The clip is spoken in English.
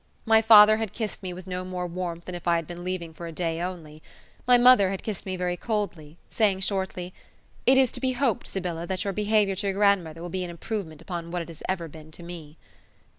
My father had kissed me with no more warmth than if I had been leaving for a day only; my mother had kissed me very coldly, saying shortly, "It is to be hoped, Sybylla, that your behaviour to your grandmother will be an improvement upon what it has ever been to me."